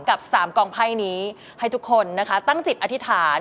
กับ๓กองไพ่นี้ให้ทุกคนนะคะตั้งจิตอธิษฐาน